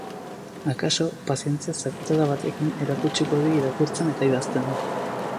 Akaso, pazientzia zakukada batekin, erakutsiko die irakurtzen eta idazten.